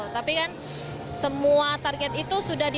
tapi kan semua target itu sudah di